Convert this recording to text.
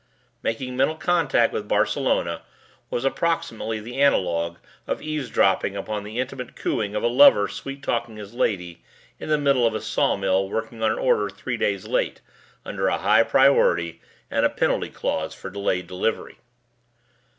Making mental contact with Barcelona was approximately the analogue of eavesdropping upon the intimate cooing of a lover sweet talking his lady in the middle of a sawmill working on an order three days late under a high priority and a penalty clause for delayed delivery.